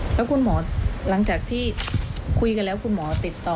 แล้วคุณหมอหลังจากที่คุยกันแล้วคุณหมอติดต่อ